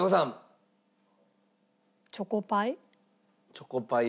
チョコパイ。